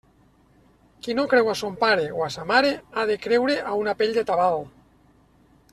Qui no creu a son pare o a sa mare ha de creure a una pell de tabal.